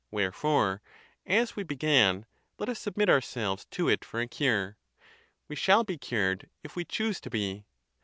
Wherefore, as we began, let us submit our selves to it for a cure; we shall be cured if we choose to be.